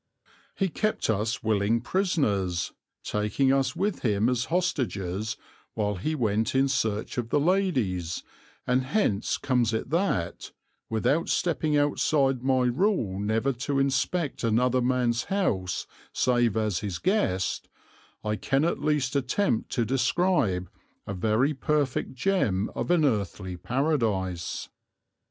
He kept us willing prisoners, taking us with him as hostages while he went in search of the ladies, and hence comes it that, without stepping outside my rule never to inspect another man's house save as his guest, I can at least attempt to describe a very perfect gem of an earthly paradise.